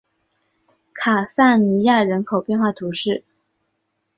卡萨尼亚人口变化图示